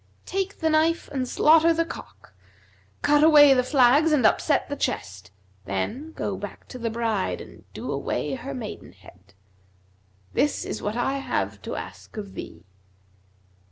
Take the knife and slaughter the cock; cut away the flags and upset the chest, then go back to the bride and do away her maidenhead. This is what I have to ask of thee.'